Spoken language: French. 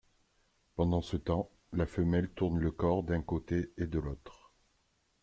Pendant ce temps, la femelle tourne le corps d'un côté et de l'autre.